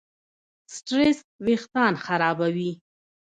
سټرېس وېښتيان خرابوي.